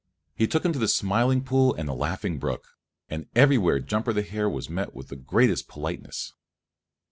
He took him to the Smiling Pool and the Laughing Brook, and everywhere Jumper the Hare was met with the greatest politeness.